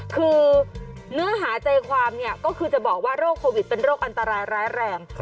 คือเนื้อหาใจความเนี่ยก็คือจะบอกว่าโรคโควิดเป็นโรคอันตรายร้ายแรง